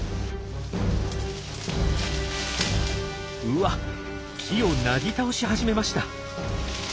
うわっ木をなぎ倒し始めました！